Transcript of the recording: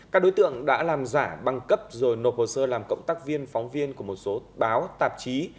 các đối tượng đã làm giả băng cấp rồi nộp hồ sơ làm cộng tác viên phóng viên của một số báo tạp chí